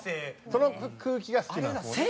その空気が好きなんですもんね。